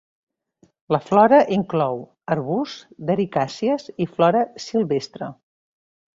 La flora inclou arbusts d'ericàcies i flora silvestre.